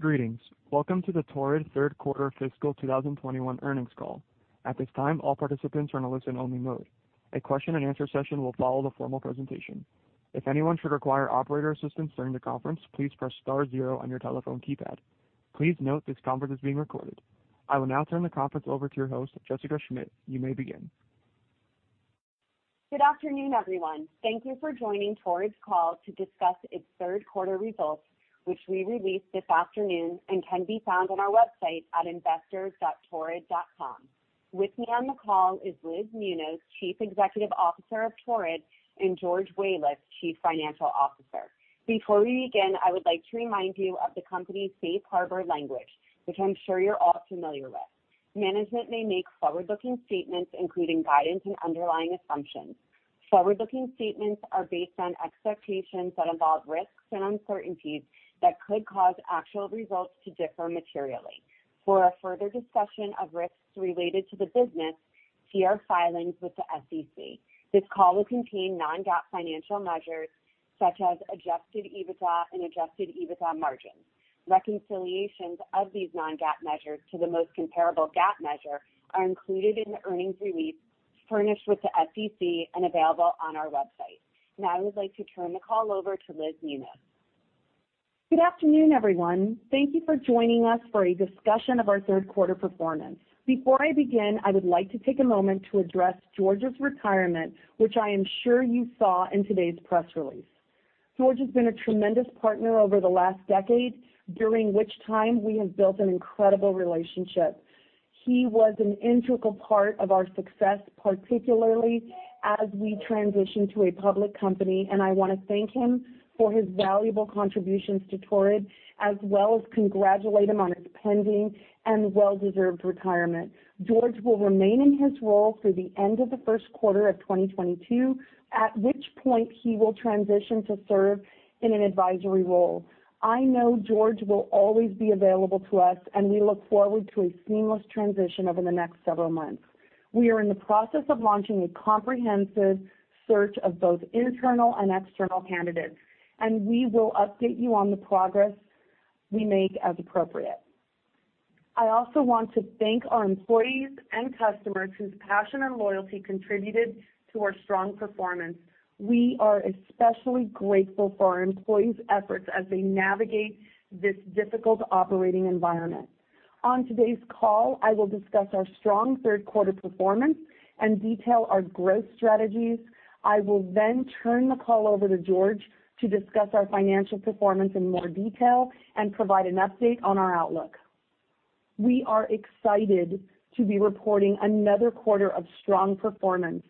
Greetings. Welcome to the Torrid third quarter fiscal 2021 earnings call. At this time, all participants are in a listen only mode. A question-and-answer session will follow the formal presentation. If anyone should require operator assistance during the conference, please press star zero on your telephone keypad. Please note this conference is being recorded. I will now turn the conference over to your host, Jessica Schmidt. You may begin. Good afternoon, everyone. Thank you for joining Torrid's call to discuss its third quarter results, which we released this afternoon and can be found on our website at investors.torrid.com. With me on the call is Liz Muñoz, Chief Executive Officer of Torrid, and George Wehlitz, Chief Financial Officer. Before we begin, I would like to remind you of the company's safe harbor language, which I'm sure you're all familiar with. Management may make forward-looking statements, including guidance and underlying assumptions. Forward-looking statements are based on expectations that involve risks and uncertainties that could cause actual results to differ materially. For a further discussion of risks related to the business, see our filings with the SEC. This call will contain non-GAAP financial measures, such as Adjusted EBITDA and Adjusted EBITDA margin. Reconciliations of these non-GAAP measures to the most comparable GAAP measure are included in the earnings release furnished with the SEC and available on our website. Now I would like to turn the call over to Liz Muñoz. Good afternoon, everyone. Thank you for joining us for a discussion of our third quarter performance. Before I begin, I would like to take a moment to address George's retirement, which I am sure you saw in today's press release. George has been a tremendous partner over the last decade, during which time we have built an incredible relationship. He was an integral part of our success, particularly as we transitioned to a public company. I wanna thank him for his valuable contributions to Torrid, as well as congratulate him on his pending and well-deserved retirement. George will remain in his role through the end of the first quarter of 2022, at which point he will transition to serve in an advisory role. I know George will always be available to us, and we look forward to a seamless transition over the next several months. We are in the process of launching a comprehensive search of both internal and external candidates, and we will update you on the progress we make as appropriate. I also want to thank our employees and customers whose passion and loyalty contributed to our strong performance. We are especially grateful for our employees' efforts as they navigate this difficult operating environment. On today's call, I will discuss our strong third quarter performance and detail our growth strategies. I will then turn the call over to George Wehlitz to discuss our financial performance in more detail and provide an update on our outlook. We are excited to be reporting another quarter of strong performance.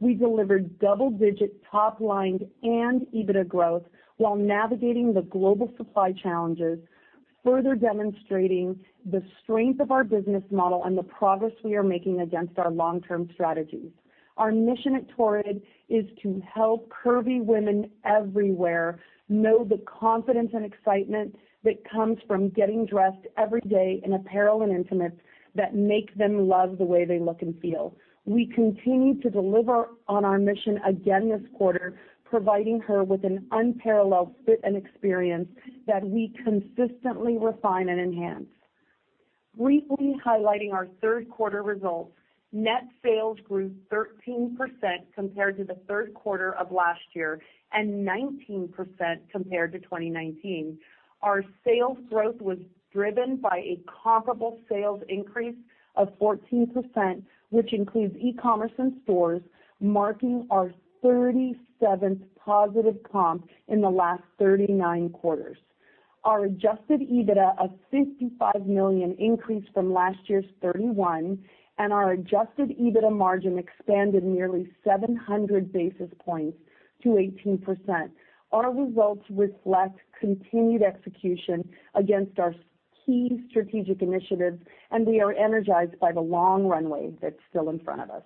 We delivered double-digit top line and EBITDA growth while navigating the global supply challenges, further demonstrating the strength of our business model and the progress we are making against our long-term strategies. Our mission at Torrid is to help curvy women everywhere know the confidence and excitement that comes from getting dressed every day in apparel and intimates that make them love the way they look and feel. We continued to deliver on our mission again this quarter, providing her with an unparalleled fit and experience that we consistently refine and enhance. Briefly highlighting our third quarter results, net sales grew 13% compared to the third quarter of last year, and 19% compared to 2019. Our sales growth was driven by a comparable sales increase of 14%, which includes e-Commerce and stores, marking our 37th positive comp in the last 39 quarters. Our Adjusted EBITDA of $55 million increased from last year's $31 million, and our adjusted EBITDA margin expanded nearly 700 basis points to 18%. Our results reflect continued execution against our key strategic initiatives, and we are energized by the long runway that's still in front of us.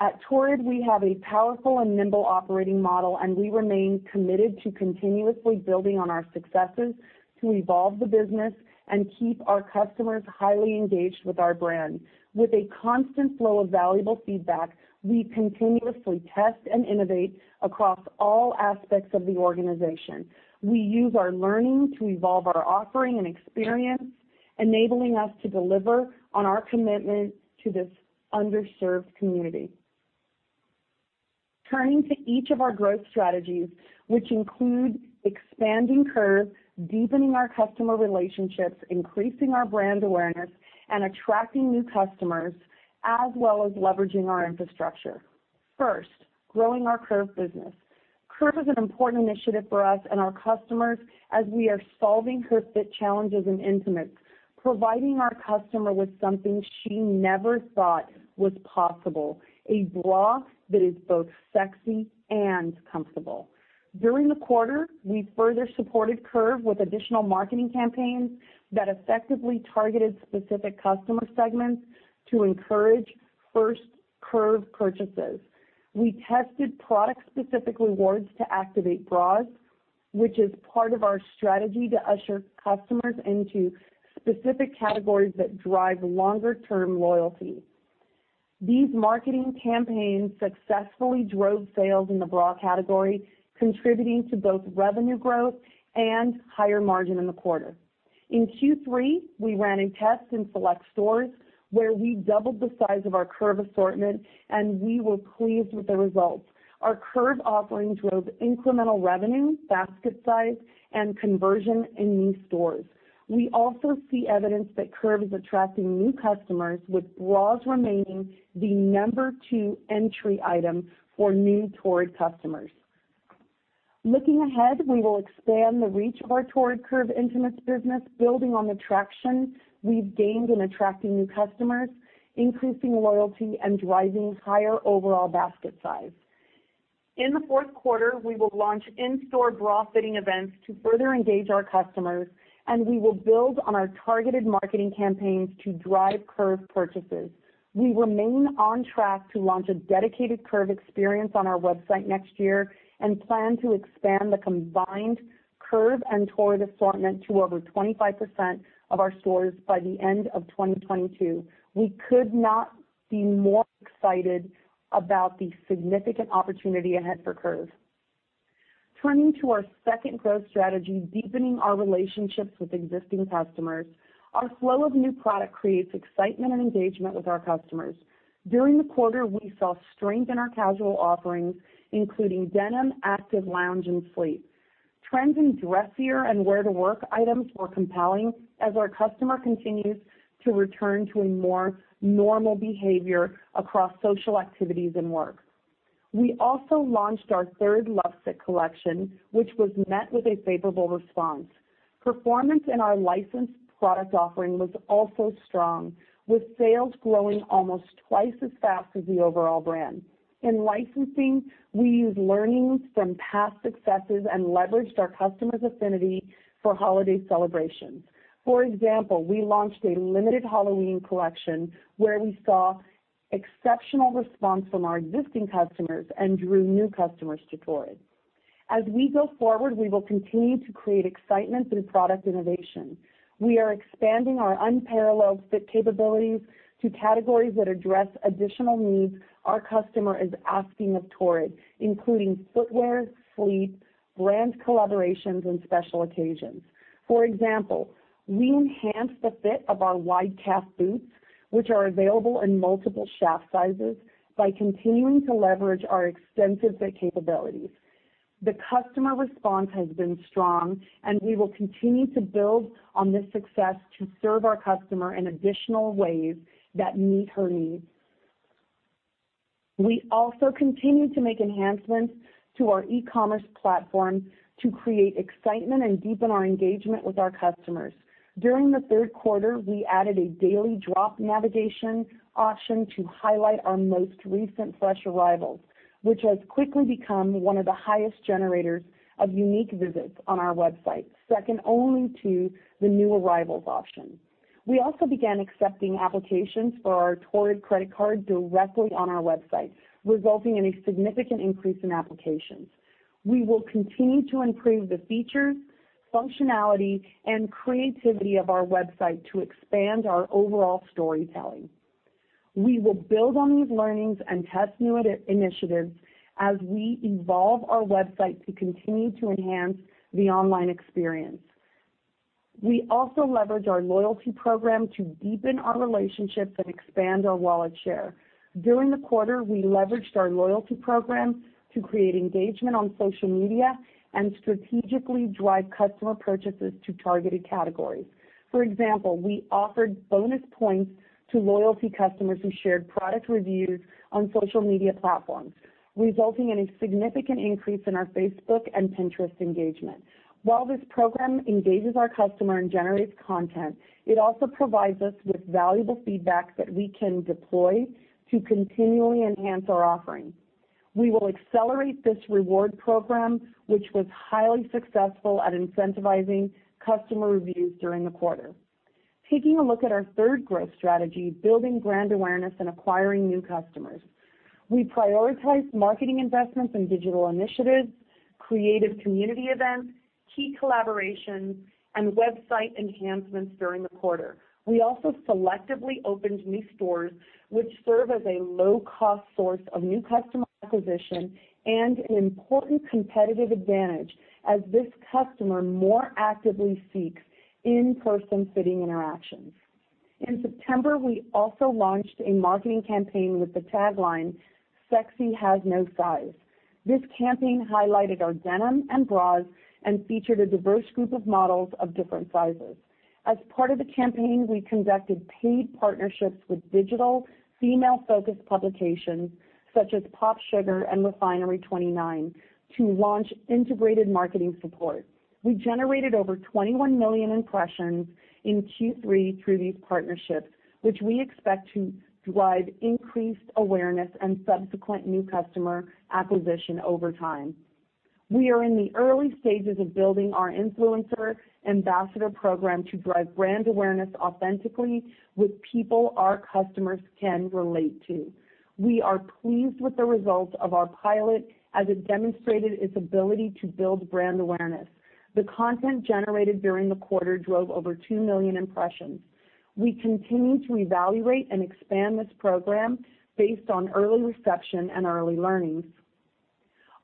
At Torrid, we have a powerful and nimble operating model, and we remain committed to continuously building on our successes to evolve the business and keep our customers highly engaged with our brand. With a constant flow of valuable feedback, we continuously test and innovate across all aspects of the organization. We use our learning to evolve our offering and experience, enabling us to deliver on our commitment to this underserved community. Turning to each of our growth strategies, which include expanding Curve, deepening our customer relationships, increasing our brand awareness, and attracting new customers, as well as leveraging our infrastructure. First, growing our Curve business. Curve is an important initiative for us and our customers as we are solving her fit challenges in intimates, providing our customer with something she never thought was possible, a bra that is both sexy and comfortable. During the quarter, we further supported Curve with additional marketing campaigns that effectively targeted specific customer segments to encourage first Curve purchases. We tested product-specific rewards to activate bras, which is part of our strategy to usher customers into specific categories that drive longer-term loyalty. These marketing campaigns successfully drove sales in the bra category, contributing to both revenue growth and higher margin in the quarter. In Q3, we ran a test in select stores where we doubled the size of our Curve assortment, and we were pleased with the results. Our Curve offering drove incremental revenue, basket size, and conversion in new stores. We also see evidence that Curve is attracting new customers, with bras remaining the number two entry item for new Torrid customers. Looking ahead, we will expand the reach of our Torrid Curve intimates business, building on the traction we've gained in attracting new customers, increasing loyalty, and driving higher overall basket size. In the fourth quarter, we will launch in-store bra fitting events to further engage our customers, and we will build on our targeted marketing campaigns to drive Curve purchases. We remain on track to launch a dedicated Curve experience on our website next year and plan to expand the combined Curve and Torrid assortment to over 25% of our stores by the end of 2022. We could not be more excited about the significant opportunity ahead for Curve. Turning to our second growth strategy, deepening our relationships with existing customers. Our flow of new product creates excitement and engagement with our customers. During the quarter, we saw strength in our casual offerings, including denim, active lounge, and sleep. Trends in dressier and wear-to-work items were compelling as our customer continues to return to a more normal behavior across social activities and work. We also launched our third Luxe Fit collection, which was met with a favorable response. Performance in our licensed product offering was also strong, with sales growing almost twice as fast as the overall brand. In licensing, we used learnings from past successes and leveraged our customers' affinity for holiday celebrations. For example, we launched a limited Halloween Collection where we saw exceptional response from our existing customers and drew new customers to Torrid. As we go forward, we will continue to create excitement through product innovation. We are expanding our unparalleled fit capabilities to categories that address additional needs our customer is asking of Torrid, including footwear, sleep, brand collaborations, and special occasions. For example, we enhanced the fit of our wide calf boots, which are available in multiple shaft sizes, by continuing to leverage our extensive fit capabilities. The customer response has been strong, and we will continue to build on this success to serve our customer in additional ways that meet her needs. We also continue to make enhancements to our e-Commerce platform to create excitement and deepen our engagement with our customers. During the third quarter, we added a daily drop navigation option to highlight our most recent fresh arrivals, which has quickly become one of the highest generators of unique visits on our website, second only to the new arrivals option. We also began accepting applications for our Torrid Credit Card directly on our website, resulting in a significant increase in applications. We will continue to improve the features, functionality, and creativity of our website to expand our overall storytelling. We will build on these learnings and test new initiatives as we evolve our website to continue to enhance the online experience. We also leverage our loyalty program to deepen our relationships and expand our wallet share. During the quarter, we leveraged our loyalty program to create engagement on social media and strategically drive customer purchases to targeted categories. For example, we offered bonus points to loyalty customers who shared product reviews on social media platforms, resulting in a significant increase in our Facebook and Pinterest engagement. While this program engages our customer and generates content, it also provides us with valuable feedback that we can deploy to continually enhance our offering. We will accelerate this reward program, which was highly successful at incentivizing customer reviews during the quarter. Taking a look at our third growth strategy, building brand awareness and acquiring new customers, we prioritized marketing investments in digital initiatives, creative community events, key collaborations, and website enhancements during the quarter. We also selectively opened new stores, which serve as a low-cost source of new customer acquisition and an important competitive advantage as this customer more actively seeks in-person fitting interactions. In September, we also launched a marketing campaign with the tagline, "Sexy Has No Size." This campaign highlighted our denim and bras and featured a diverse group of models of different sizes. As part of the campaign, we conducted paid partnerships with digital female-focused publications, such as POPSUGAR and Refinery29, to launch integrated marketing support. We generated over 21 million impressions in Q3 through these partnerships, which we expect to drive increased awareness and subsequent new customer acquisition over time. We are in the early stages of building our influencer ambassador program to drive brand awareness authentically with people our customers can relate to. We are pleased with the results of our pilot as it demonstrated its ability to build brand awareness. The content generated during the quarter drove over two million impressions. We continue to evaluate and expand this program based on early reception and early learnings.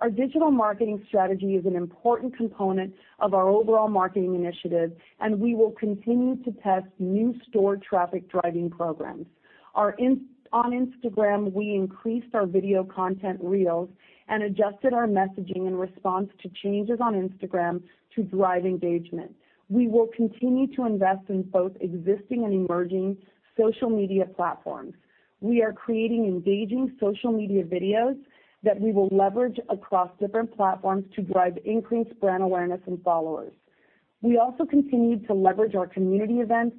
Our digital marketing strategy is an important component of our overall marketing initiative, and we will continue to test new store traffic driving programs. Our investments on Instagram, we increased our video content reels and adjusted our messaging in response to changes on Instagram to drive engagement. We will continue to invest in both existing and emerging social media platforms. We are creating engaging social media videos that we will leverage across different platforms to drive increased brand awareness and followers. We also continued to leverage our community events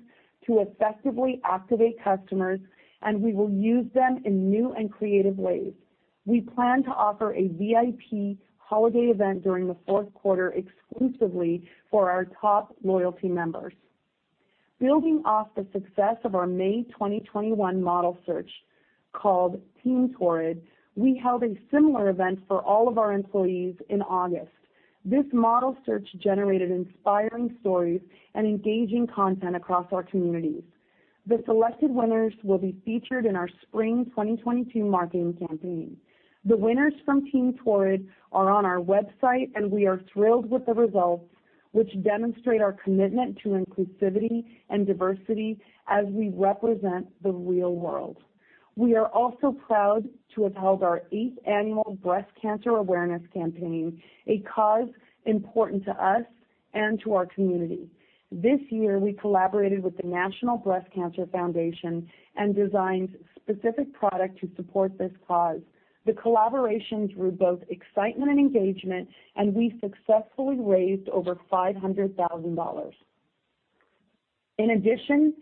to effectively activate customers, and we will use them in new and creative ways. We plan to offer a VIP holiday event during the fourth quarter exclusively for our top loyalty members. Building off the success of our May 2021 model search called Team Torrid, we held a similar event for all of our employees in August. This model search generated inspiring stories and engaging content across our communities. The selected winners will be featured in our Spring 2022 marketing campaign. The winners from Team Torrid are on our website, and we are thrilled with the results, which demonstrate our commitment to inclusivity and diversity as we represent the real world. We are also proud to have held our Eighth Annual Breast Cancer Awareness Campaign, a cause important to us and to our community. This year, we collaborated with the National Breast Cancer Foundation and designed specific product to support this cause. The collaboration drew both excitement and engagement, and we successfully raised over $500,000. In addition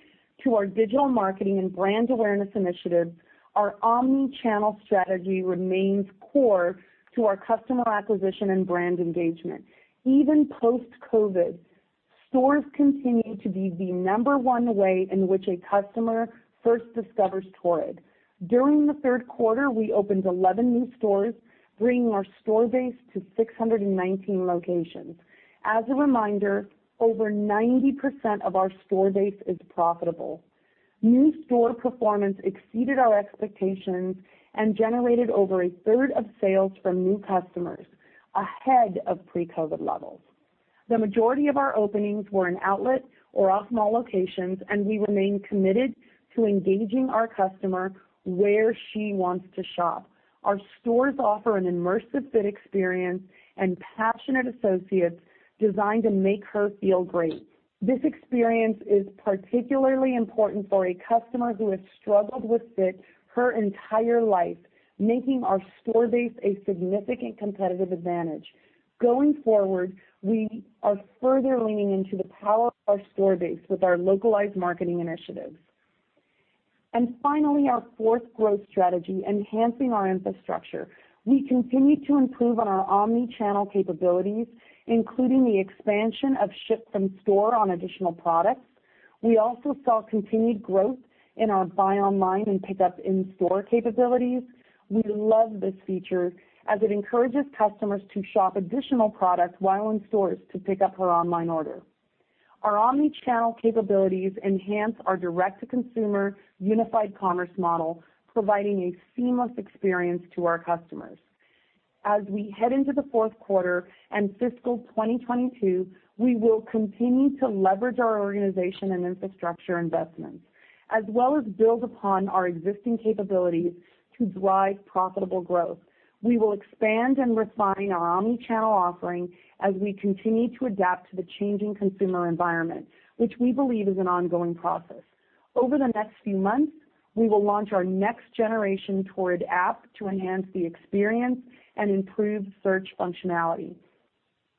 to our digital marketing and brand awareness initiative, our omni-channel strategy remains core to our customer acquisition and brand engagement. Even post-COVID, stores continue to be the number one way in which a customer first discovers Torrid. During the third quarter, we opened 11 new stores, bringing our store base to 619 locations. As a reminder, over 90% of our store base is profitable. New store performance exceeded our expectations and generated over a third of sales from new customers, ahead of pre-COVID levels. The majority of our openings were in outlet or off-mall locations, and we remain committed to engaging our customer where she wants to shop. Our stores offer an immersive fit experience and passionate associates designed to make her feel great. This experience is particularly important for a customer who has struggled with fit her entire life, making our store base a significant competitive advantage. Going forward, we are further leaning into the power of our store base with our localized marketing initiatives. Finally, our fourth growth strategy, enhancing our infrastructure. We continue to improve on our omni-channel capabilities, including the expansion of ship from store on additional products. We also saw continued growth in our buy online and pick up in store capabilities. We love this feature, as it encourages customers to shop additional products while in stores to pick up her online order. Our omni-channel capabilities enhance our direct-to-consumer unified commerce model, providing a seamless experience to our customers. As we head into the fourth quarter and fiscal 2022, we will continue to leverage our organization and infrastructure investments, as well as build upon our existing capabilities to drive profitable growth. We will expand and refine our omni-channel offering as we continue to adapt to the changing consumer environment, which we believe is an ongoing process. Over the next few months, we will launch our next generation Torrid app to enhance the experience and improve search functionality.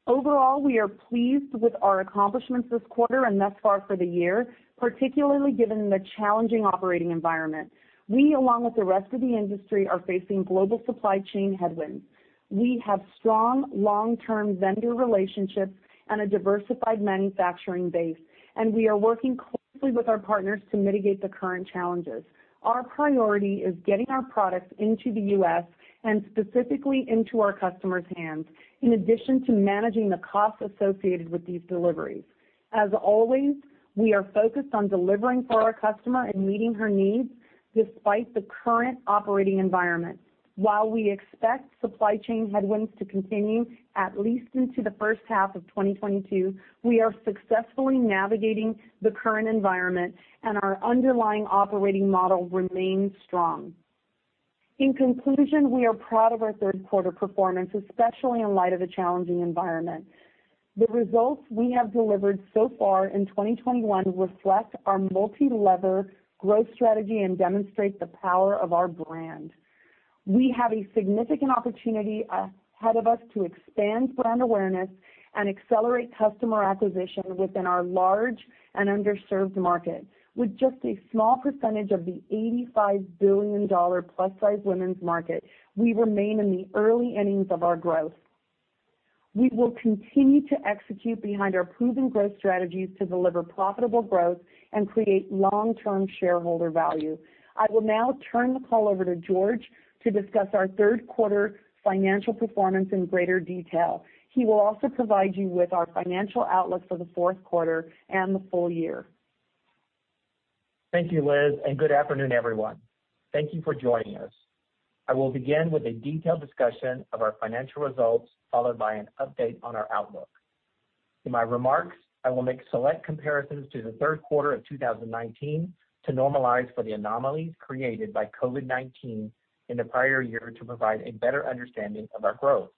Overall, we are pleased with our accomplishments this quarter and thus far for the year, particularly given the challenging operating environment. We, along with the rest of the industry, are facing global supply chain headwinds. We have strong long-term vendor relationships and a diversified manufacturing base, and we are working closely with our partners to mitigate the current challenges. Our priority is getting our products into the U.S. and specifically into our customers' hands, in addition to managing the costs associated with these deliveries. As always, we are focused on delivering for our customer and meeting her needs despite the current operating environment. While we expect supply chain headwinds to continue at least into the first half of 2022, we are successfully navigating the current environment, and our underlying operating model remains strong. In conclusion, we are proud of our third quarter performance, especially in light of the challenging environment. The results we have delivered so far in 2021 reflect our multi-lever growth strategy and demonstrate the power of our brand. We have a significant opportunity ahead of us to expand brand awareness and accelerate customer acquisition within our large and underserved market. With just a small percentage of the $85 billion plus-size women's market, we remain in the early innings of our growth. We will continue to execute behind our proven growth strategies to deliver profitable growth and create long-term shareholder value. I will now turn the call over to George to discuss our third quarter financial performance in greater detail. He will also provide you with our financial outlook for the fourth quarter and the full year. Thank you, Liz, and good afternoon, everyone. Thank you for joining us. I will begin with a detailed discussion of our financial results, followed by an update on our outlook. In my remarks, I will make select comparisons to the third quarter of 2019 to normalize for the anomalies created by COVID-19 in the prior year to provide a better understanding of our growth.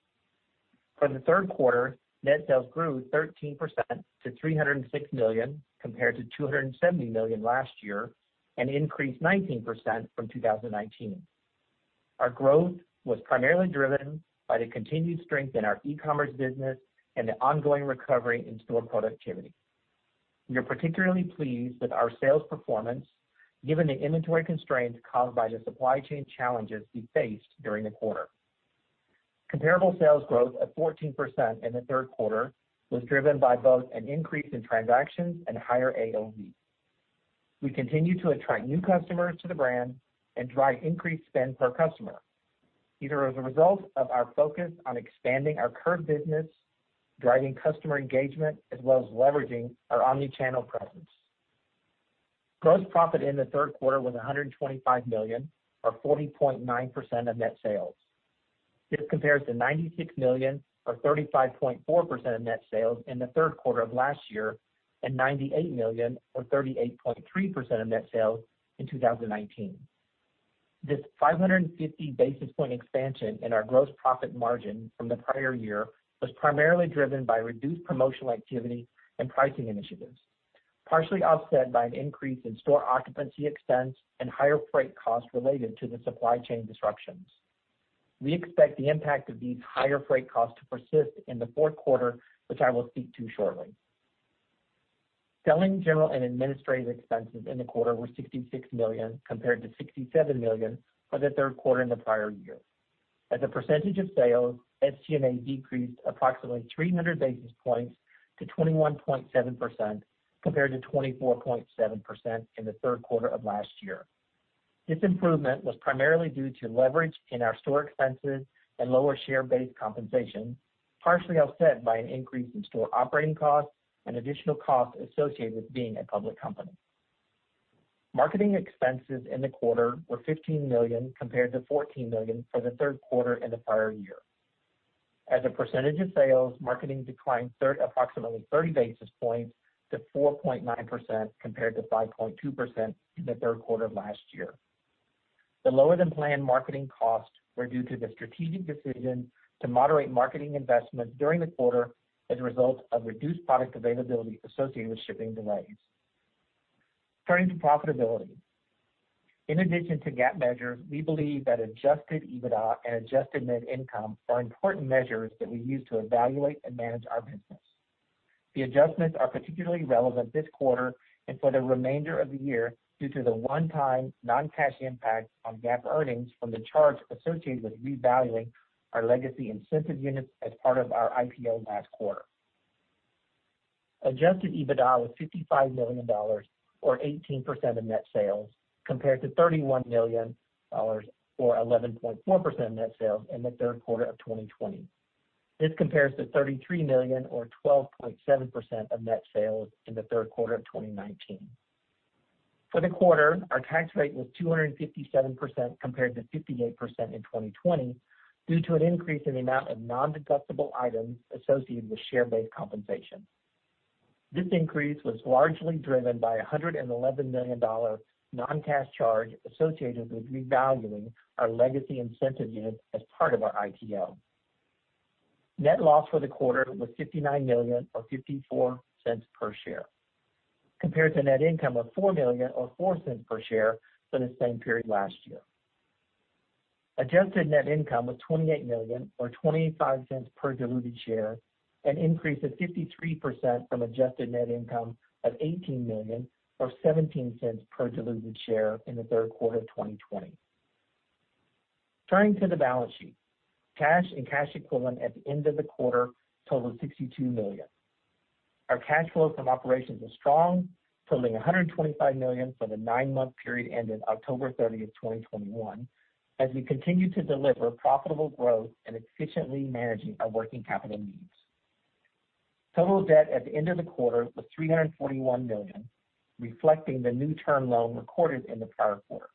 For the third quarter, net sales grew 13% to $306 million, compared to $270 million last year, and increased 19% from 2019. Our growth was primarily driven by the continued strength in our e-Commerce business and the ongoing recovery in store productivity. We are particularly pleased with our sales performance given the inventory constraints caused by the supply chain challenges we faced during the quarter. Comparable sales growth of 14% in the third quarter was driven by both an increase in transactions and higher AOV. We continue to attract new customers to the brand and drive increased spend per customer. These are as a result of our focus on expanding our Curve business, driving customer engagement, as well as leveraging our omni-channel presence. Gross profit in the third quarter was $125 million, or 40.9% of net sales. This compares to $96 million, or 35.4% of net sales in the third quarter of last year, and $98 million or 38.3% of net sales in 2019. This 550-basis point expansion in our gross profit margin from the prior year was primarily driven by reduced promotional activity and pricing initiatives, partially offset by an increase in store occupancy expense and higher freight costs related to the supply chain disruptions. We expect the impact of these higher freight costs to persist in the fourth quarter, which I will speak to shortly. Selling, general, and administrative expenses in the quarter were $66 million, compared to $67 million for the third quarter in the prior year. As a percentage of sales, SG&A decreased approximately 300 basis points to 21.7% compared to 24.7% in the third quarter of last year. This improvement was primarily due to leverage in our store expenses and lower share-based compensation, partially offset by an increase in store operating costs and additional costs associated with being a public company. Marketing expenses in the quarter were $15 million compared to $14 million for the third quarter in the prior year. As a percentage of sales, marketing declined approximately 30 basis points to 4.9% compared to 5.2% in the third quarter of last year. The lower than planned marketing costs were due to the strategic decision to moderate marketing investments during the quarter as a result of reduced product availability associated with shipping delays. Turning to profitability. In addition to GAAP measures, we believe that Adjusted EBITDA and adjusted net income are important measures that we use to evaluate and manage our business. The adjustments are particularly relevant this quarter and for the remainder of the year due to the one-time non-cash impact on GAAP earnings from the charge associated with revaluing our legacy incentive units as part of our IPO last quarter. Adjusted EBITDA was $55 million or 18% of net sales, compared to $31 million or 11.4% of net sales in the third quarter of 2020. This compares to $33 million or 12.7% of net sales in the third quarter of 2019. For the quarter, our tax rate was 257% compared to 58% in 2020 due to an increase in the amount of nondeductible items associated with share-based compensation. This increase was largely driven by $111 million non-cash charge associated with revaluing our legacy incentive units as part of our IPO. Net loss for the quarter was $59 million or $0.54 per share, compared to net income of $4 million or $0.04 per share for the same period last year. Adjusted net income was $28 million or $0.25 per diluted share, an increase of 53% from adjusted net income of $18 million or $0.17 per diluted share in the third quarter of 2020. Turning to the balance sheet. Cash and cash equivalents at the end of the quarter totaled $62 million. Our cash flow from operations was strong, totaling $125 million for the nine-month period ending October 30, 2021, as we continue to deliver profitable growth and efficiently managing our working capital needs. Total debt at the end of the quarter was $341 million, reflecting the new term loan recorded in the prior quarter.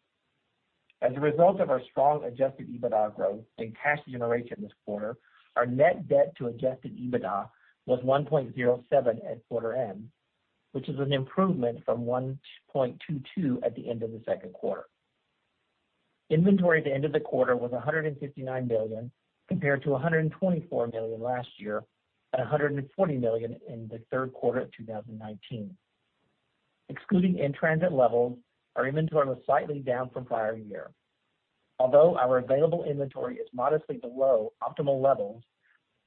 As a result of our strong Adjusted EBITDA growth and cash generation this quarter, our net debt to Adjusted EBITDA was 1.07 at quarter end, which is an improvement from 1.22 at the end of the second quarter. Inventory at the end of the quarter was $159 million, compared to $124 million last year and $140 million in the third quarter of 2019. Excluding in-transit levels, our inventory was slightly down from prior year. Although our available inventory is modestly below optimal levels,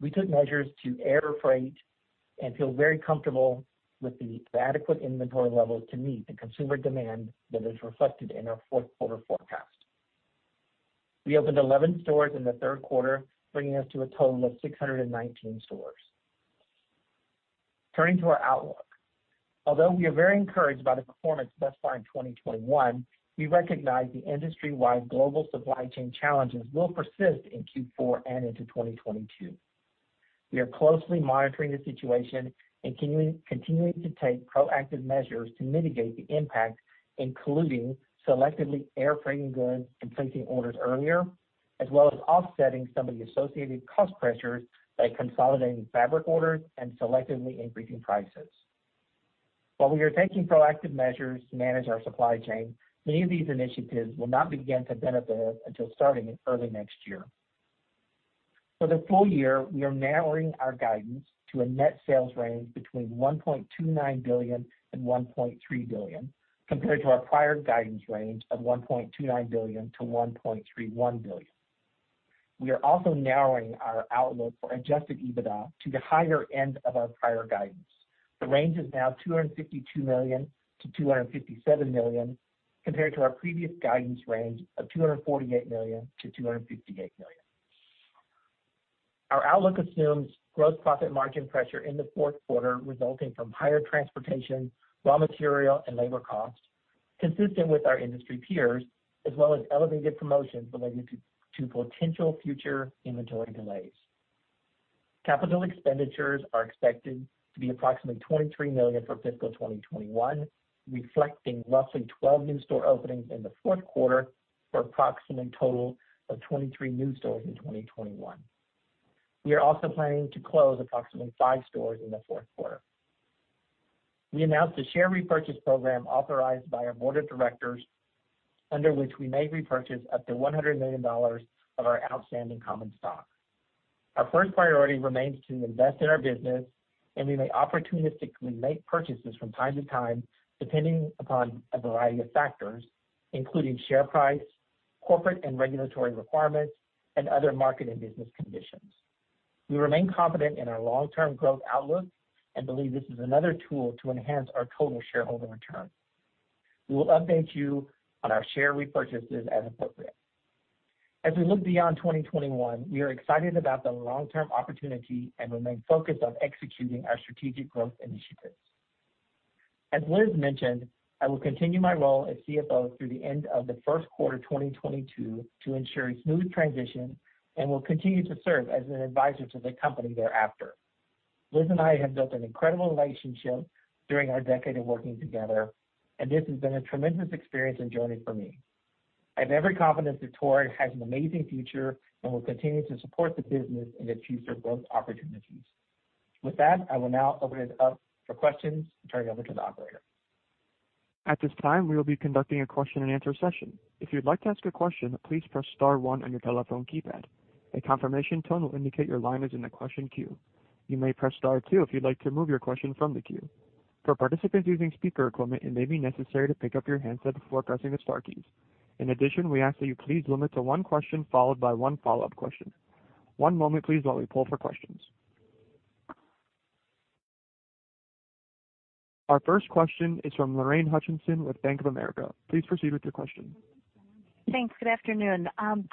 we took measures to airfreight and feel very comfortable with the adequate inventory levels to meet the consumer demand that is reflected in our fourth quarter forecast. We opened 11 stores in the third quarter, bringing us to a total of 619 stores. Turning to our outlook. Although we are very encouraged by the performance thus far in 2021, we recognize the industry-wide global supply chain challenges will persist in Q4 and into 2022. We are closely monitoring the situation and continuing to take proactive measures to mitigate the impact, including selectively airfreighting goods and placing orders earlier, as well as offsetting some of the associated cost pressures by consolidating fabric orders and selectively increasing prices. While we are taking proactive measures to manage our supply chain, many of these initiatives will not begin to benefit us until starting in early next year. For the full year, we are narrowing our guidance to a net sales range between $1.29 billion and $1.3 billion, compared to our prior guidance range of $1.29 billion to $1.31 billion. We are also narrowing our outlook for Adjusted EBITDA to the higher end of our prior guidance. The range is now $252 million-$257 million, compared to our previous guidance range of $248 million-$258 million. Our outlook assumes gross profit margin pressure in the fourth quarter resulting from higher transportation, raw material, and labor costs, consistent with our industry peers, as well as elevated promotions related to potential future inventory delays. Capital expenditures are expected to be approximately $23 million for fiscal 2021, reflecting roughly 12 new store openings in the fourth quarter for an approximate total of 23 new stores in 2021. We are also planning to close approximately five stores in the fourth quarter. We announced a share repurchase program authorized by our Board of Directors, under which we may repurchase up to $100 million of our outstanding common stock. Our first priority remains to invest in our business, and we may opportunistically make purchases from time to time, depending upon a variety of factors, including share price, corporate and regulatory requirements, and other market and business conditions. We remain confident in our long-term growth outlook and believe this is another tool to enhance our total shareholder return. We will update you on our share repurchases as appropriate. As we look beyond 2021, we are excited about the long-term opportunity and remain focused on executing our strategic growth initiatives. As Liz mentioned, I will continue my role as CFO through the end of the first quarter 2022 to ensure a smooth transition and will continue to serve as an advisor to the company thereafter. Liz and I have built an incredible relationship during our decade of working together, and this has been a tremendous experience and journey for me. I have every confidence that Torrid has an amazing future and will continue to support the business in its future growth opportunities. With that, I will now open it up for questions and turn it over to the Operator. At this time, we will be conducting a question-and-answer session. If you'd like to ask a question, please press star one on your telephone keypad. A confirmation tone will indicate your line is in the question queue. You may press star two if you'd like to remove your question from the queue. For participants using speaker equipment, it may be necessary to pick up your handset before pressing the star keys. In addition, we ask that you please limit to one question followed by one follow-up question. One moment, please, while we poll for questions. Our first question is from Lorraine Hutchinson with Bank of America. Please proceed with your question. Thanks. Good afternoon. Just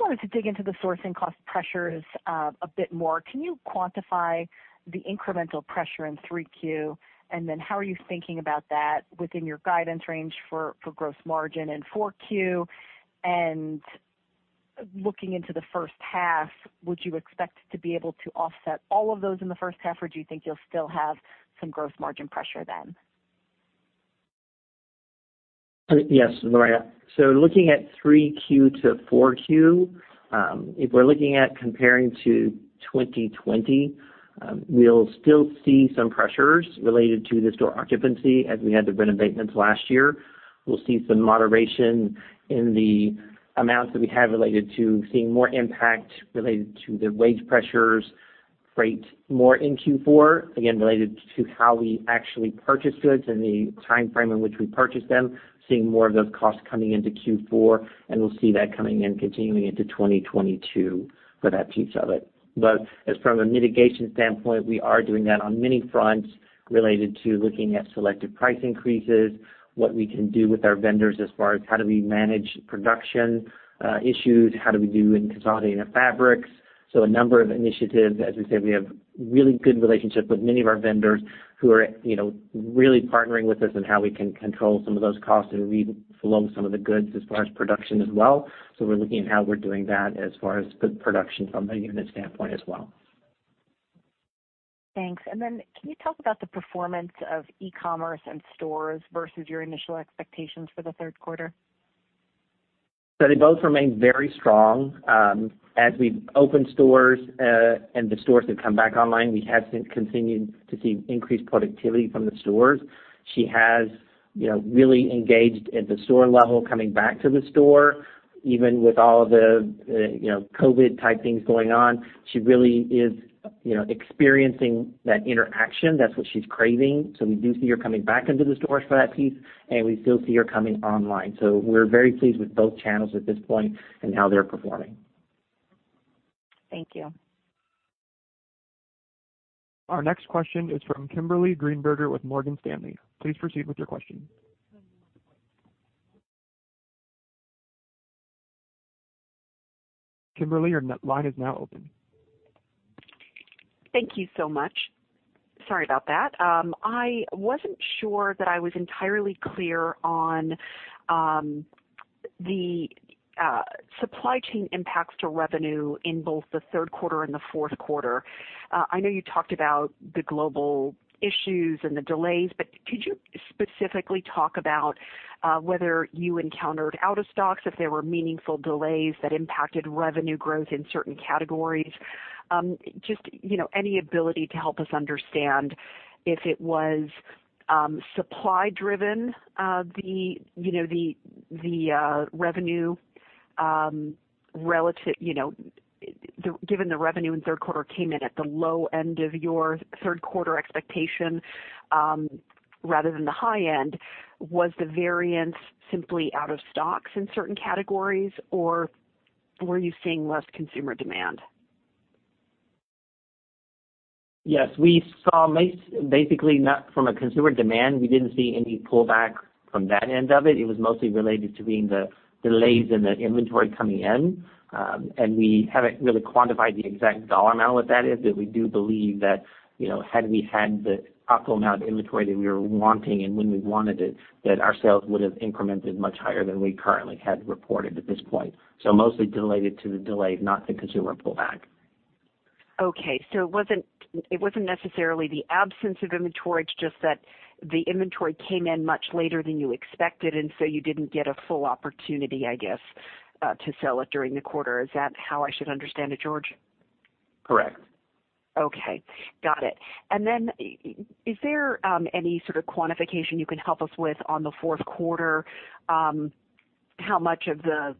wanted to dig into the sourcing cost pressures a bit more. Can you quantify the incremental pressure in 3Q? And then how are you thinking about that within your guidance range for gross margin in 4Q? And looking into the first half, would you expect to be able to offset all of those in the first half, or do you think you'll still have some gross margin pressure then? Yes, Lorraine. Looking at 3Q to 4Q, if we're looking at comparing to 2020, we'll still see some pressures related to the store occupancy as we had the renovations last year. We'll see some moderation in the amounts that we have related to seeing more impact related to the wage pressures, freight more in Q4, again, related to how we actually purchase goods and the timeframe in which we purchase them, seeing more of those costs coming into Q4, and we'll see that coming in continuing into 2022 for that piece of it. But from a mitigation standpoint, we are doing that on many fronts related to looking at selective price increases, what we can do with our vendors as far as how do we manage production issues, how do we do in consolidating our fabrics. So, a number of initiatives. As we said, we have really good relationships with many of our vendors who are, you know, really partnering with us on how we can control some of those costs as we flow some of the goods as far as production as well. We're looking at how we're doing that as far as the production from a unit standpoint as well. Thanks. Can you talk about the performance of e-Commerce and stores versus your initial expectations for the third quarter? They both remain very strong. As we've opened stores, and the stores have come back online, we have continued to see increased productivity from the stores. She has, you know, really engaged at the store level, coming back to the store, even with all the, you know, COVID-type things going on. She really is, you know, experiencing that interaction. That's what she's craving. We do see her coming back into the stores for that piece, and we still see her coming online. We're very pleased with both channels at this point and how they're performing. Thank you. Our next question is from Kimberly Greenberger with Morgan Stanley. Please proceed with your question. Kimberly, your line is now open. Thank you so much. Sorry about that. I wasn't sure that I was entirely clear on the supply chain impacts to revenue in both the third quarter and the fourth quarter. I know you talked about the global issues and the delays, but could you specifically talk about whether you encountered out-of-stocks, if there were meaningful delays that impacted revenue growth in certain categories? Just, you know, any ability to help us understand if it was supply-driven, the revenue relative. Given the revenue in third quarter came in at the low end of your third quarter expectation, rather than the high end, was the variance simply out of stocks in certain categories, or were you seeing less consumer demand? Yes. We saw a miss basically not from consumer demand. We didn't see any pullback from that end of it. It was mostly related to the delays in the inventory coming in. We haven't really quantified the exact dollar amount of what that is, but we do believe that, you know, had we had the optimal amount of inventory that we were wanting and when we wanted it, that our sales would have incremented much higher than we currently had reported at this point. Mostly related to the delay, not the consumer pullback. Okay. It wasn't necessarily the absence of inventory. It's just that the inventory came in much later than you expected, and so you didn't get a full opportunity, I guess, to sell it during the quarter. Is that how I should understand it, George? Correct. Okay. Got it. Is there any sort of quantification you can help us with on the fourth quarter, how much of the,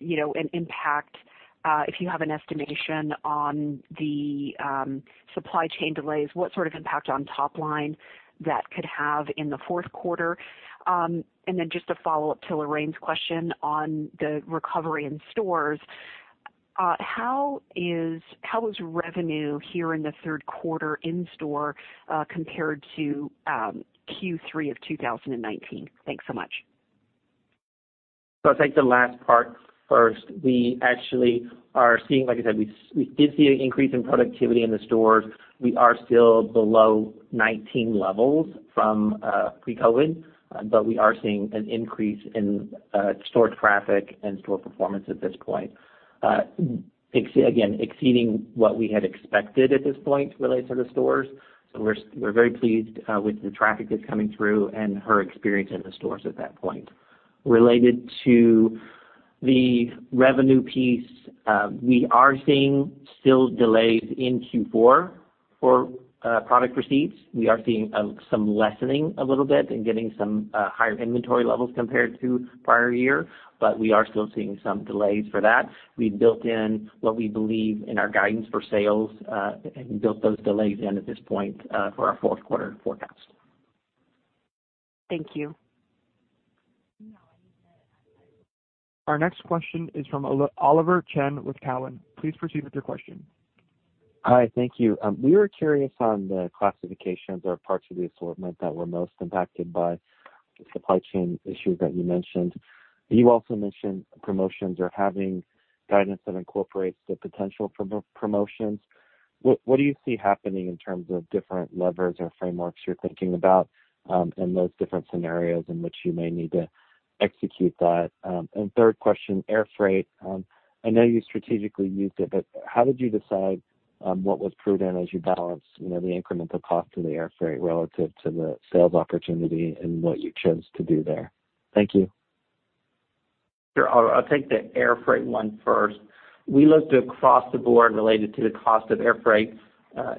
you know, an impact, if you have an estimation on the supply chain delays, what sort of impact on top line that could have in the fourth quarter? Just a follow-up to Lorraine's question on the recovery in stores. How was revenue here in the third quarter in store compared to Q3 of 2019? Thanks so much. I'll take the last part first. We actually are seeing, like I said, we did see an increase in productivity in the stores. We are still below 2019 levels from pre-COVID, but we are seeing an increase in store traffic and store performance at this point. Again, exceeding what we had expected at this point related to the stores. We're very pleased with the traffic that's coming through and our experience in the stores at that point. Related to the revenue piece, we are still seeing delays in Q4 for product receipts. We are seeing some lessening a little bit and getting some higher inventory levels compared to prior year, but we are still seeing some delays for that. We built in what we believe in our guidance for sales, and built those delays in at this point, for our fourth quarter forecast. Thank you. Our next question is from Oliver Chen with Cowen. Please proceed with your question. Hi. Thank you. We were curious on the classifications or parts of the assortment that were most impacted by the supply chain issues that you mentioned. You also mentioned promotions or having guidance that incorporates the potential promotions. What do you see happening in terms of different levers or frameworks you're thinking about in those different scenarios in which you may need to execute that? And third question, airfreight. I know you strategically used it, but how did you decide what was prudent as you balanced, you know, the incremental cost of the airfreight relative to the sales opportunity and what you chose to do there? Thank you. Sure. I'll take the airfreight one first. We looked across the board related to the cost of airfreight,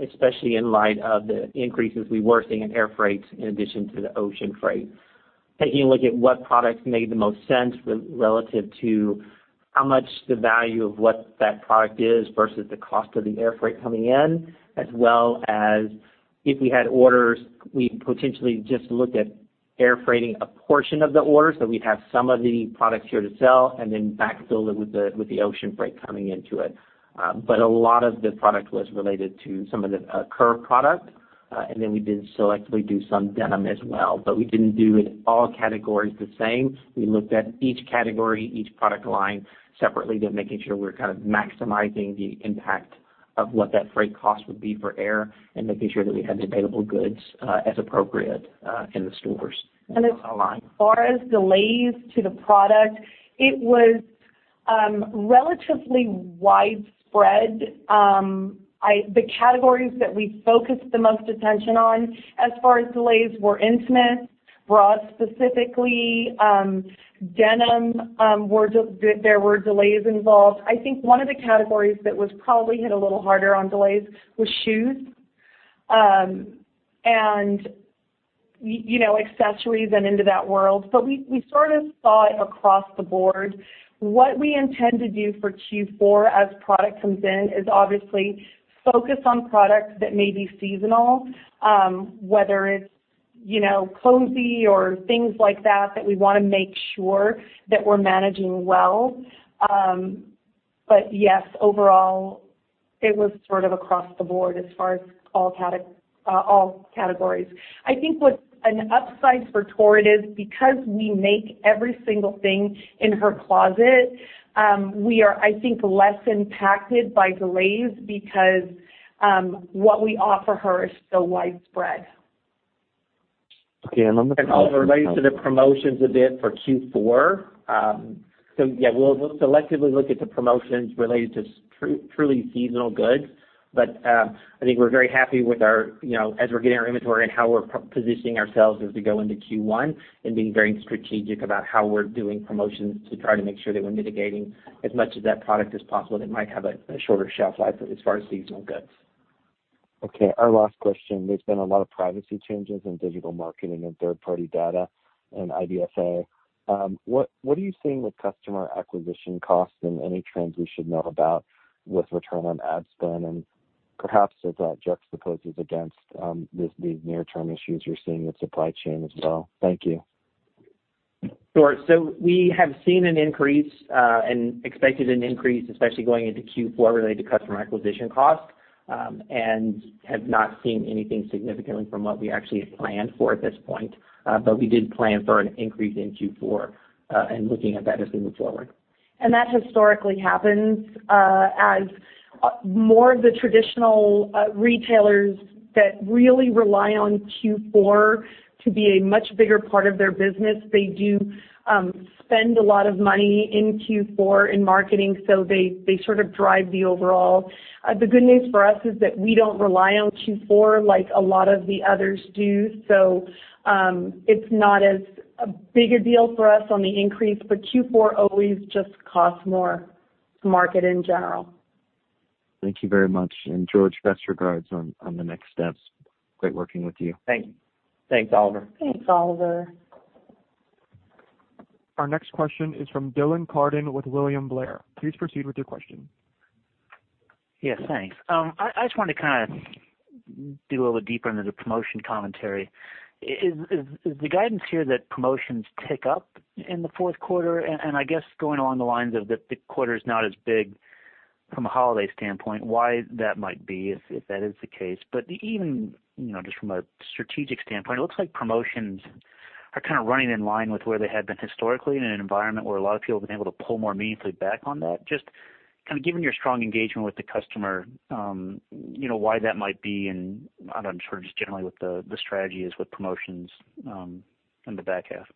especially in light of the increases we were seeing in airfreight in addition to the ocean freight. Taking a look at what products made the most sense relative to how much the value of what that product is versus the cost of the airfreight coming in, as well as if we had orders, we potentially just looked at airfreighting a portion of the order, so we'd have some of the products here to sell and then backfill it with the ocean freight coming into it. A lot of the product was related to some of the Curve product, and then we did selectively do some denim as well. We didn't do all categories the same. We looked at each category, each product line separately to make sure we're kind of maximizing the impact of what that freight cost would be for air and making sure that we had the available goods as appropriate in the stores and online. As far as delays to the product, it was relatively widespread. The categories that we focused the most attention on as far as delays were intimates. Bras, specifically, denim. There were delays involved. I think one of the categories that was probably hit a little harder on delays was shoes, and you know, accessories and into that world. We sort of saw it across the board. What we intend to do for Q4 as product comes in is obviously focus on products that may be seasonal, whether it's, you know, cozy or things like that we wanna make sure that we're managing well. Yes, overall, it was sort of across the board as far as all categories. I think what's an upside for Torrid is because we make every single thing in her closet, we are, I think, less impacted by delays because what we offer her is so widespread. Okay. Oliver, related to the promotions a bit for Q4. We'll selectively look at the promotions related to truly seasonal goods. I think we're very happy with our, you know, as we're getting our inventory and how we're positioning ourselves as we go into Q1 and being very strategic about how we're doing promotions to try to make sure that we're mitigating as much of that product as possible that might have a shorter shelf life as far as seasonal goods. Okay, our last question. There's been a lot of privacy changes in digital marketing and third-party data and IDFA. What, what are you seeing with customer acquisition costs and any trends we should know about with return on ad spend? Perhaps as that juxtaposes against, this, these near-term issues you're seeing with supply chain as well. Thank you. Sure. We have seen an increase and expected an increase, especially going into Q4 related to customer acquisition costs, and have not seen anything significantly from what we actually had planned for at this point. We did plan for an increase in Q4, and looking at that as we move forward. That historically happens as more of the traditional retailers that really rely on Q4 to be a much bigger part of their business. They do spend a lot of money in Q4 in marketing, so they sort of drive the overall. The good news for us is that we don't rely on Q4 like a lot of the others do, so it's not as big a deal for us on the increase, but Q4 always just costs more to market in general. Thank you very much. George, best regards on the next steps. Great working with you. Thank you. Thanks, Oliver. Thanks, Oliver. Our next question is from Dylan Carden with William Blair. Please proceed with your question. Yes, thanks. I just wanted to kinda dig a little deeper into the promotion commentary. Is the guidance here that promotions tick up in the fourth quarter? I guess going along the lines of the quarter's not as big from a holiday standpoint, why that might be, if that is the case. But even, you know, just from a strategic standpoint, it looks like promotions are kinda running in line with where they had been historically in an environment where a lot of people have been able to pull more meaningfully back on that. Just kinda given your strong engagement with the customer, you know, why that might be, and I'm sure just generally what the strategy is with promotions in the back half.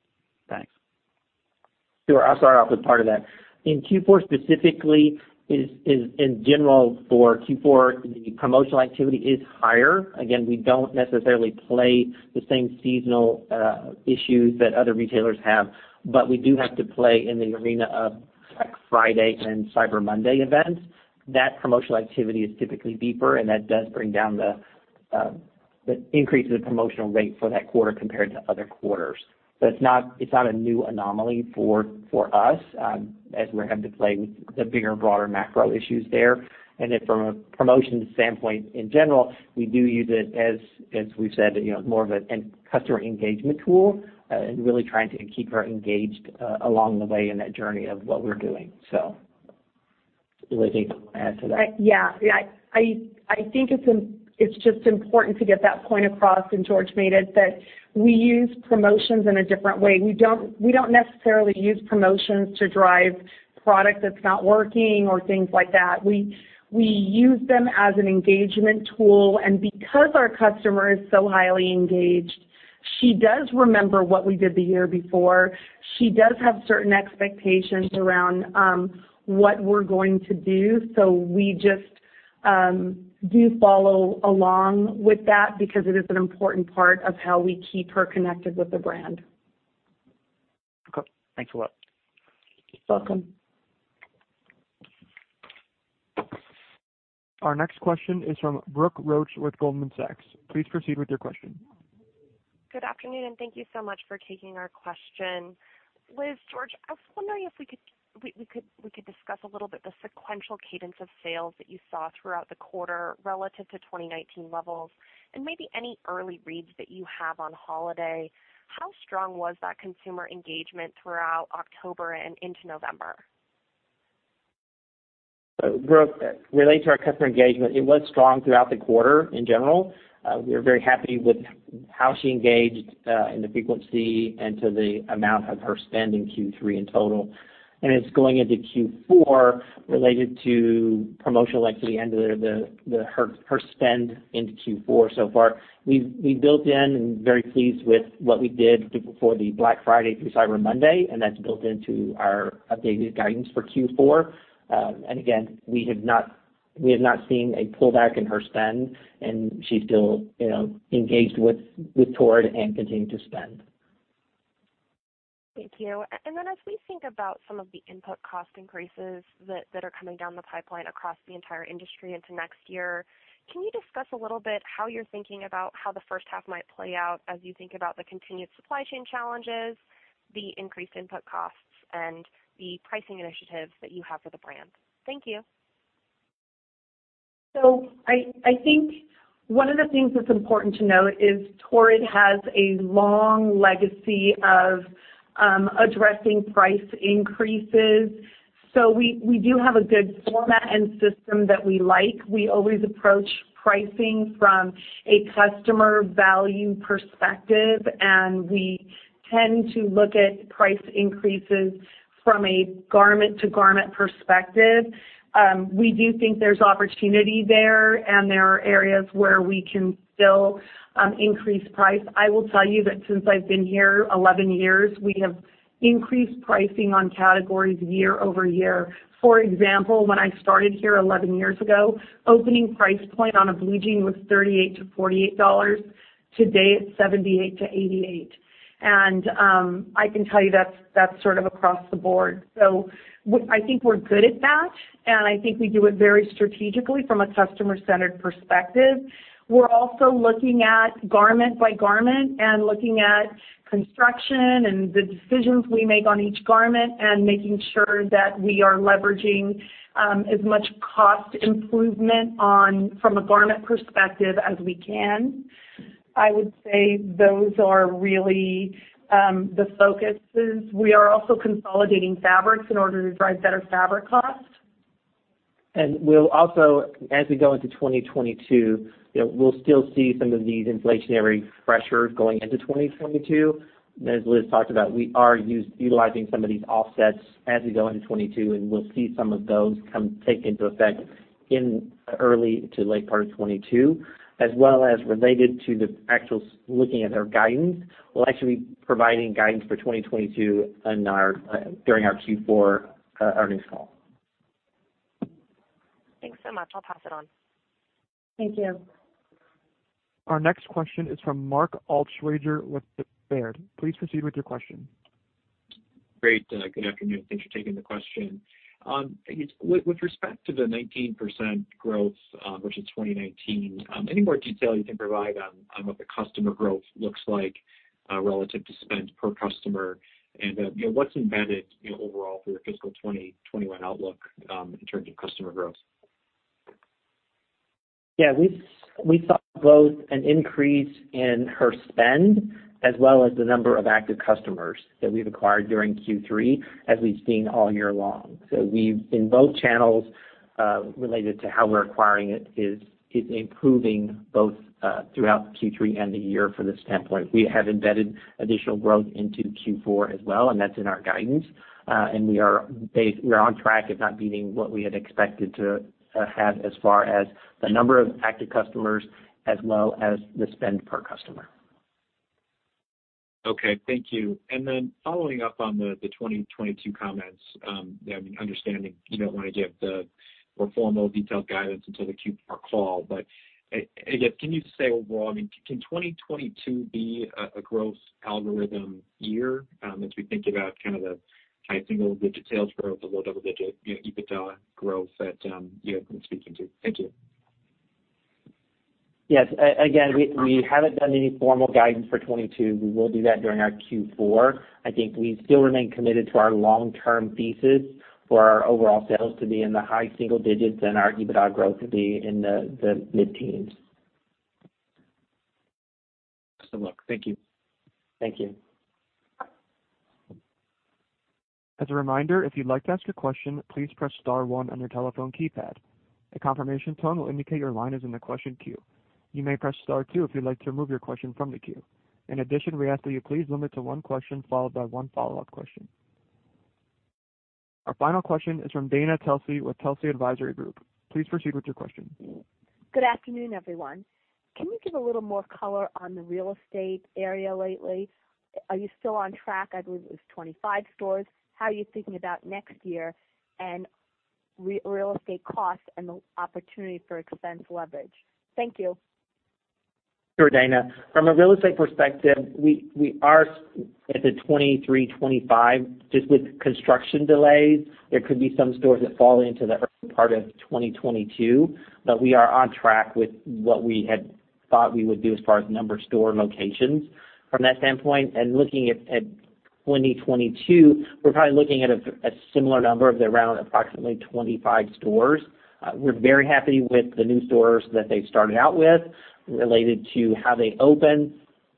Thanks. Sure. I'll start off with part of that. In Q4 specifically is in general for Q4, the promotional activity is higher. Again, we don't necessarily play the same seasonal issues that other retailers have, but we do have to play in the arena of Black Friday and Cyber Monday events. That promotional activity is typically deeper, and that does bring down the increase in the promotional rate for that quarter compared to other quarters. So, it's not a new anomaly for us, as we have to play with the bigger and broader macro issues there. Then from a promotion standpoint in general, we do use it as we've said, you know, more of a customer engagement tool, and really trying to keep her engaged along the way in that journey of what we're doing. Liz, anything you wanna add to that? Yeah. I think it's just important to get that point across, and George made it, that we use promotions in a different way. We don't necessarily use promotions to drive product that's not working or things like that. We use them as an engagement tool. Because our customer is so highly engaged, she does remember what we did the year before. She does have certain expectations around what we're going to do. We just do follow along with that because it is an important part of how we keep her connected with the brand. Okay. Thanks a lot. You're welcome. Our next question is from Brooke Roach with Goldman Sachs. Please proceed with your question. Good afternoon and thank you so much for taking our question. Liz, George, I was wondering if we could discuss a little bit the sequential cadence of sales that you saw throughout the quarter relative to 2019 levels and maybe any early reads that you have on holiday. How strong was that consumer engagement throughout October and into November? Brooke, related to our customer engagement, it was strong throughout the quarter in general. We were very happy with how she engaged and the frequency and the amount of her spend in Q3 in total. As we go into Q4 related to promotional activity and her spend into Q4 so far, we've built in and very pleased with what we did for the Black Friday through Cyber Monday, and that's built into our updated guidance for Q4. Again, we have not seen a pullback in her spend, and she's still you know engaged with Torrid and continuing to spend. Thank you. As we think about some of the input cost increases that are coming down the pipeline across the entire industry into next year, can you discuss a little bit how you're thinking about how the first half might play out as you think about the continued supply chain challenges, the increased input costs, and the pricing initiatives that you have for the brand? Thank you. I think one of the things that's important to note is Torrid has a long legacy of addressing price increases. We do have a good format and system that we like. We always approach pricing from a customer value perspective, and we tend to look at price increases from a garment-to-garment perspective. We do think there's opportunity there, and there are areas where we can still increase price. I will tell you that since I've been here 11 years, we have increased pricing on categories year-over-year. For example, when I started here 11 years ago, opening price point on a blue jean was $38-$48. Today, it's $78-$88. I can tell you that's sort of across the board. I think we're good at that, and I think we do it very strategically from a customer-centered perspective. We're also looking at garment by garment and looking at construction and the decisions we make on each garment and making sure that we are leveraging as much cost improvement from a garment perspective as we can. I would say those are really the focuses. We are also consolidating fabrics in order to drive better fabric costs. We'll also, as we go into 2022, you know, we'll still see some of these inflationary pressures going into 2022. As Liz talked about, we are utilizing some of these offsets as we go into 2022, and we'll see some of those come take into effect in early to late part of 2022. As well as related to the actual looking at our guidance, we'll actually be providing guidance for 2022 in our, during our Q4 earnings call. Thanks so much. I'll pass it on. Thank you. Our next question is from Mark Altschwager with Baird. Please proceed with your question. Great. Good afternoon. Thanks for taking the question. With respect to the 19% growth versus 2019, any more detail you can provide on what the customer growth looks like relative to spend per customer? You know, what's embedded, you know, overall, for your fiscal 2021 outlook in terms of customer growth? Yeah. We saw both an increase in per spend as well as the number of active customers that we've acquired during Q3, as we've seen all year long. In both channels, related to how we're acquiring it is improving both throughout Q3 and the year from this standpoint. We have embedded additional growth into Q4 as well, and that's in our guidance. We are on track, if not beating what we had expected to have as far as the number of active customers as well as the spend per customer. Okay, thank you. Following up on the 2022 comments, you know, I mean, understanding you don't wanna give the more formal detailed guidance until the Q4 call. Again, can you say overall, I mean, can 2022 be a growth algorithm year, as we think about kind of the high single-digit sales growth or low double-digit, you know, EBITDA growth that you have been speaking to? Thank you. Yes. Again, we haven't done any formal guidance for 2022. We will do that during our Q4. I think we still remain committed to our long-term thesis for our overall sales to be in the high single digits and our EBITDA growth to be in the mid-teens. Excellent. Thank you. Thank you. As a reminder, if you'd like to ask a question, please press star one on your telephone keypad. A confirmation tone will indicate your line is in the question queue. You may press star two if you'd like to remove your question from the queue. In addition, we ask that you please limit to one question followed by one follow-up question. Our final question is from Dana Telsey with Telsey Advisory Group. Please proceed with your question. Good afternoon, everyone. Can you give a little more color on the real estate area lately? Are you still on track? I believe it was 25 stores. How are you thinking about next year and real estate costs and the opportunity for expense leverage? Thank you. Sure, Dana. From a real estate perspective, we are at the 23, 25. Just with construction delays, there could be some stores that fall into the early part of 2022. We are on track with what we had thought we would do as far as number of store locations from that standpoint. Looking at 2022, we're probably looking at a similar number of around approximately 25 stores. We're very happy with the new stores that they started out with related to how they open.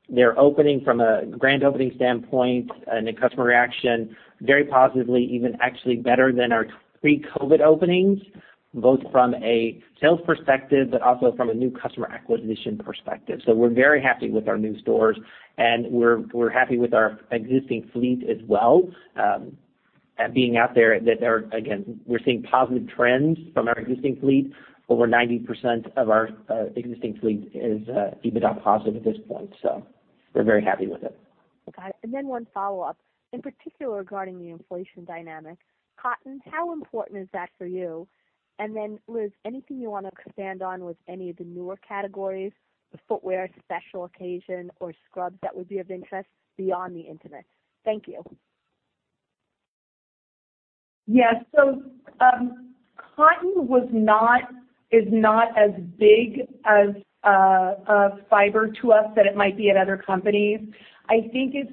They're opening from a grand opening standpoint and the customer reaction very positively, even actually better than our pre-COVID openings, both from a sales perspective but also from a new customer acquisition perspective. We're very happy with our new stores, and we're happy with our existing fleet as well, being out there that they're. We're seeing positive trends from our existing fleet. Over 90% of our existing fleet is EBITDA positive at this point. We're very happy with it. Got it. One follow-up. In particular, regarding the inflation dynamic, cotton, how important is that for you? Liz, anything you wanna expand on with any of the newer categories, the footwear, special occasion, or scrubs that would be of interest beyond the intimate? Thank you. Yes. cotton was not, is not as big as a fiber to us than it might be at other companies. I think it's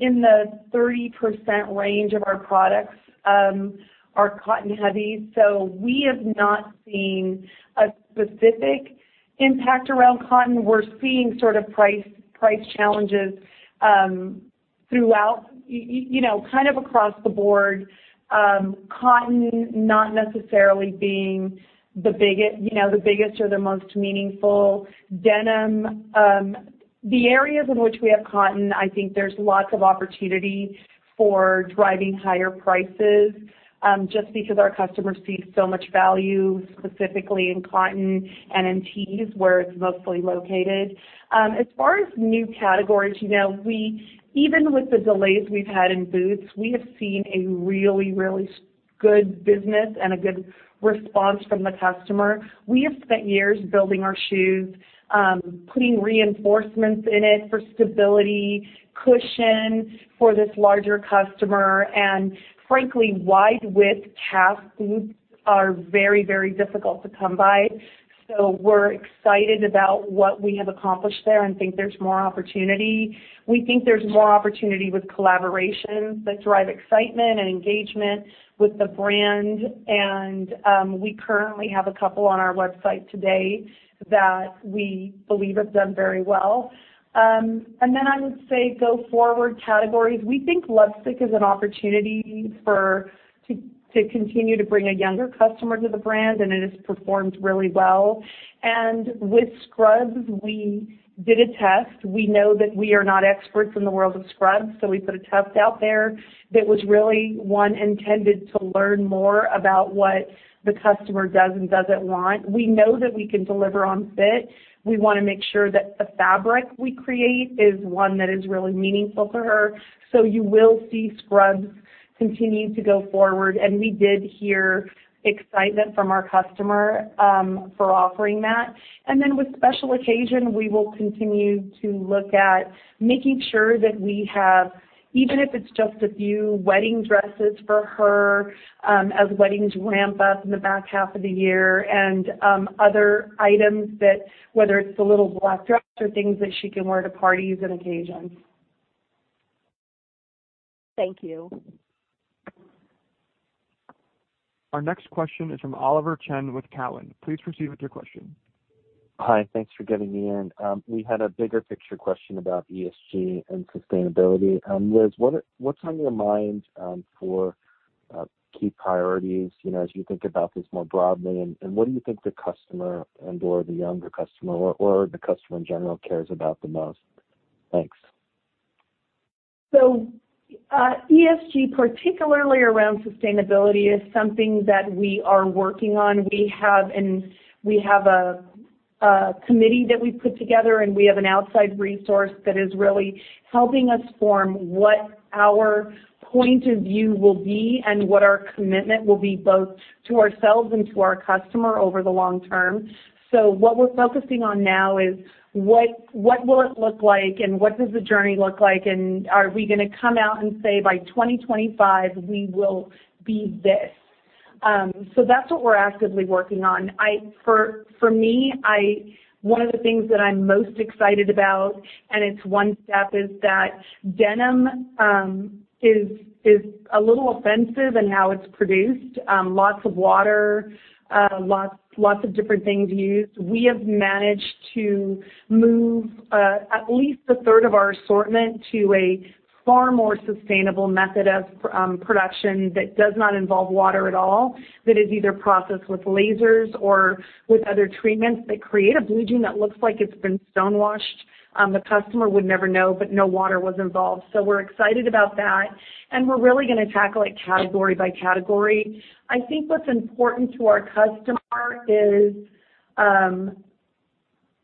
in the 30% range of our products are cotton-heavy. We have not seen a specific impact around cotton. We're seeing sort of price challenges throughout, you know, kind of across the board, cotton not necessarily being the biggest, you know, or the most meaningful, denim. The areas in which we have cotton, I think there's lots of opportunity for driving higher prices, just because our customers see so much value, specifically in cotton and in tees, where it's mostly located. As far as new categories, you know, we even with the delays we've had in boots, we have seen a really good business and a good response from the customer. We have spent years building our shoes, putting reinforcements in it for stability, cushion for this larger customer. Frankly, wide-width calf boots are very difficult to come by. We're excited about what we have accomplished there and think there's more opportunity. We think there's more opportunity with collaborations that drive excitement and engagement with the brand. We currently have a couple on our website today that we believe have done very well. I would say go-forward categories, we think LoveSick is an opportunity to continue to bring a younger customer to the brand, and it has performed really well. With scrubs, we did a test. We know that we are not experts in the world of scrubs, so we put a test out there that was really, one, intended to learn more about what the customer does and doesn't want. We know that we can deliver on fit. We wanna make sure that the fabric we create is one that is really meaningful to her. You will see scrubs continue to go forward. We did hear excitement from our customer for offering that. With Special Occasion, we will continue to look at making sure that we have, even if it's just a few wedding dresses for her, as weddings ramp up in the back half of the year, and other items that, whether it's the little black dress or things that she can wear to parties and occasions. Thank you. Our next question is from Oliver Chen with Cowen. Please proceed with your question. Hi. Thanks for getting me in. We had a bigger picture question about ESG and sustainability. Liz, what's on your mind for key priorities, you know, as you think about this more broadly? What do you think the customer and/or the younger customer or the customer in general cares about the most? Thanks. ESG, particularly around sustainability, is something that we are working on. We have a committee that we put together, and we have an outside resource that is really helping us form what our point of view will be and what our commitment will be both to ourselves and to our customer over the long term. What we're focusing on now is what will it look like, and what does the journey look like, and are we gonna come out and say by 2025 we will be this? That's what we're actively working on. For me, one of the things that I'm most excited about, and it's one step, is that denim is a little offensive in how it's produced. Lots of water, lots of different things used. We have managed to move at least a third of our assortment to a far more sustainable method of production that does not involve water at all, that is either processed with lasers or with other treatments that create a blue jean that looks like it's been stone-washed. The customer would never know, but no water was involved. We're excited about that, and we're really gonna tackle it category by category. I think what's important to our customer is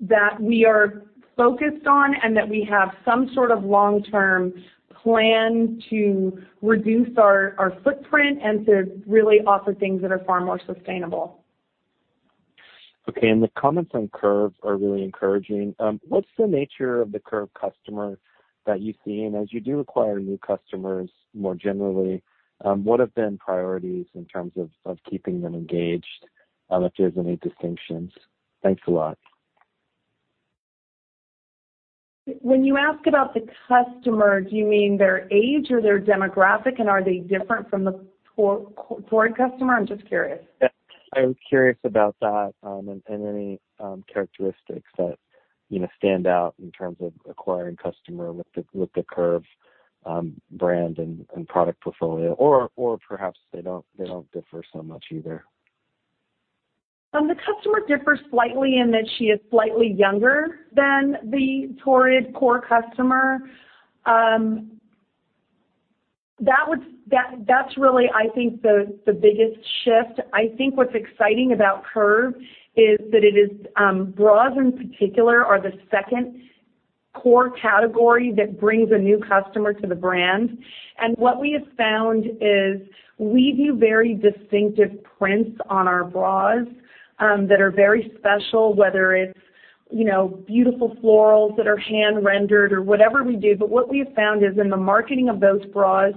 that we are focused on and that we have some sort of long-term plan to reduce our footprint and to really offer things that are far more sustainable. Okay. The comments on Curve are really encouraging. What's the nature of the Curve customer that you see? As you do acquire new customers more generally, what have been priorities in terms of keeping them engaged, if there's any distinctions? Thanks a lot. When you ask about the customer, do you mean their age or their demographic, and are they different from the Torrid customer? I'm just curious. Yeah. I'm curious about that, and any characteristics that, you know, stand out in terms of acquiring customer with the Curve brand and product portfolio, or perhaps they don't differ so much either. The customer differs slightly in that she is slightly younger than the Torrid core customer. That's really, I think, the biggest shift. I think what's exciting about Curve is that it is, bras in particular are the second core category that brings a new customer to the brand. What we have found is we do very distinctive prints on our bras, that are very special, whether it's, you know, beautiful florals that are hand rendered or whatever we do. What we have found is in the marketing of those bras,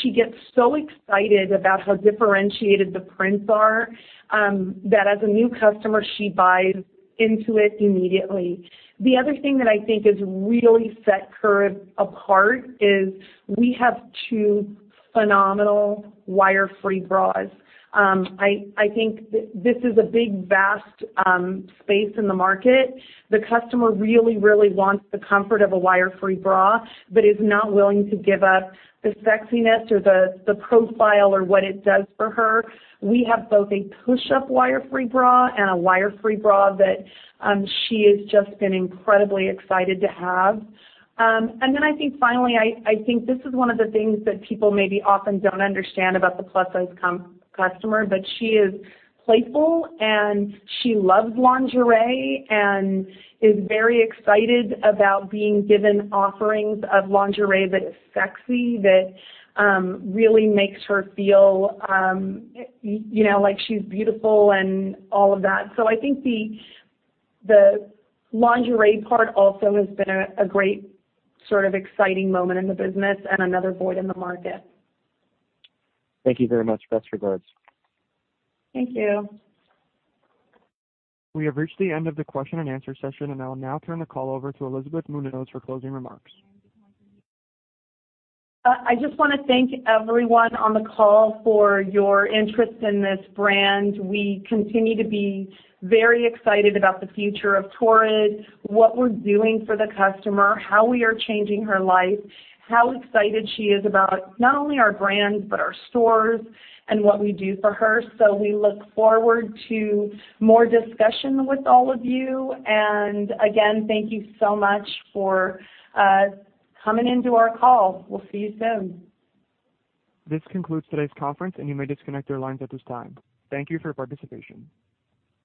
she gets so excited about how differentiated the prints are, that as a new customer, she buys into it immediately. The other thing that I think has really set Curve apart is we have two phenomenal wire-free bras. I think this is a big, vast space in the market. The customer really wants the comfort of a wire free bra but is not willing to give up the sexiness or the profile or what it does for her. We have both a push up wire free bra and a wire free bra that she has just been incredibly excited to have. I think finally this is one of the things that people maybe often don't understand about the plus-size customer, but she is playful, and she loves lingerie and is very excited about being given offerings of lingerie that is sexy, that really makes her feel, you know, like she's beautiful and all of that. I think the lingerie part also has been a great sort of exciting moment in the business and another void in the market. Thank you very much. Best regards. Thank you. We have reached the end of the question and answer session, and I'll now turn the call over to Liz Muñoz for closing remarks. I just want to thank everyone on the call for your interest in this brand. We continue to be very excited about the future of Torrid, what we're doing for the customer, how we are changing her life, how excited she is about not only our brands, but our stores and what we do for her. We look forward to more discussion with all of you. Again, thank you so much for coming into our call. We'll see you soon. This concludes today's conference, and you may disconnect your lines at this time. Thank you for your participation.